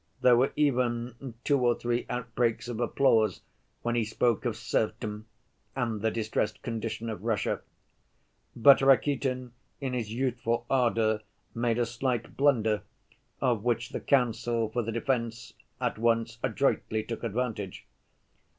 There were even two or three outbreaks of applause when he spoke of serfdom and the distressed condition of Russia. But Rakitin, in his youthful ardor, made a slight blunder, of which the counsel for the defense at once adroitly took advantage.